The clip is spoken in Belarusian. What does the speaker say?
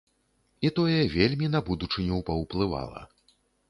І тое вельмі на будучыню паўплывала.